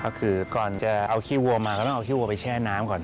ก็คือก่อนจะเอาขี้วัวมาก็ต้องเอาขี้วัวไปแช่น้ำก่อน